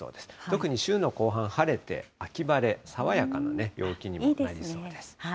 特に週の後半、晴れて、秋晴れ、爽やかな陽気にもなりそうです。